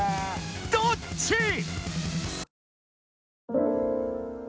［どっち？］